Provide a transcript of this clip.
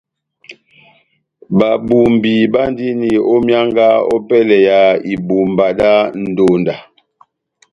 Babumbi bandini ó myánga ópɛlɛ ya ibumba dá ndonda.